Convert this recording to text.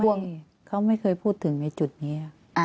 เขาไม่เคยพูดถึงในจุดนี้